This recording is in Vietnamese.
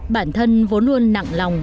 bản thân vốn luôn nặng lòng